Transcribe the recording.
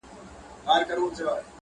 تدبیر وتړي بارونه ځي د وړاندي -